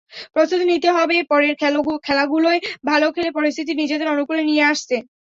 প্রস্তুতি নিতে হবে পরের খেলাগুলোয় ভালো খেলে পরিস্থিতি নিজেদের অনুকূলে নিয়ে আসতে।